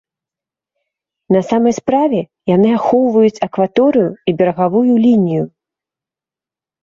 На самай справе, яны ахоўваюць акваторыю і берагавую лінію.